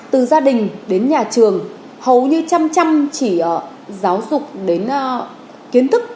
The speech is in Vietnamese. từ gia đình đến nhà trường hầu như chăm chăm chỉ giáo dục đến kiến thức